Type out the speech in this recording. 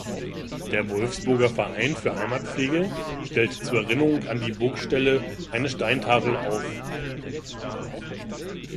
Der Wolfsburger Verein für Heimatpflege stellte zur Erinnerung an die Burgstelle eine Steintafel auf.